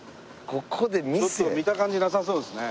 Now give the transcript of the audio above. ちょっと見た感じなさそうですね。